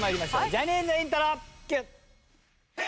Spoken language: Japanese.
ジャニーズイントロＱ。